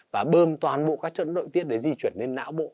và bơm toàn bộ các chân nội tiết để di chuyển lên não bộ